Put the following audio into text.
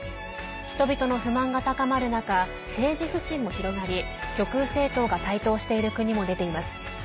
人々の不満が高まる中政治不信も広がり、極右政党が台頭している国も出ています。